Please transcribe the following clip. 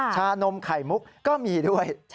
ชานมไข่มุกก็มีด้วย